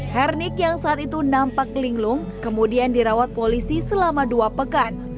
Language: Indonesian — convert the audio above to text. hernik yang saat itu nampak linglung kemudian dirawat polisi selama dua pekan